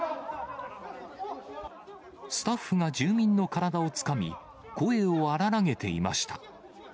スタッフが住民の体をつかみ、声を荒らげていました。